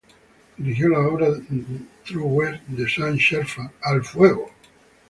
Dirigió las obras "True West" de Sam Shepard, "¡Al Fuego!